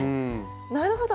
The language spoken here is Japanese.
なるほど。